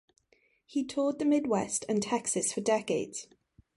He toured the Midwest and Texas for decades.